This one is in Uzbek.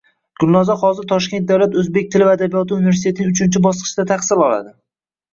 Gulnoza hozir Toshkent davlat o‘zbek tili va adabiyoti universitetining uchinchi bosqichida tahsil oladi.